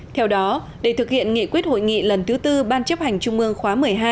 theo đó để thực hiện nghị quyết hội nghị lần thứ tư ban chấp hành trung ương khóa một mươi hai